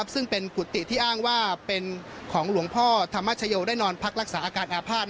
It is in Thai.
ซึ่งเป็นกุฏิที่อ้างว่าเป็นของหลวงพ่อธรรมชโยได้นอนพักรักษาอาการอาภาษณ์